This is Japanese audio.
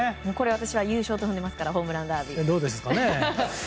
私は優勝と踏んでいるのでホームランダービー。